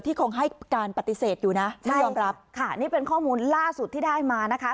คงให้การปฏิเสธอยู่นะไม่ยอมรับค่ะนี่เป็นข้อมูลล่าสุดที่ได้มานะคะ